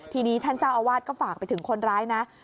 ทีนี้ท่านเจ้าอาวาสก็ฝากไปถึงคนร้ายนะ